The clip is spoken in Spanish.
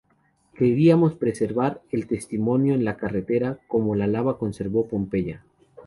Queríamos preservar el testimonio en la carretera… como la lava conservó Pompeya.